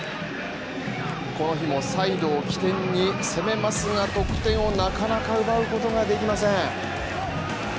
この日もサイドを起点に攻めますが得点をなかなか奪うことができません。